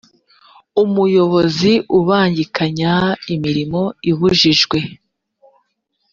umuyobozi ubangikanya imirimo ibujijwe